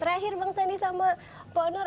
terakhir bang sandi sama pak nur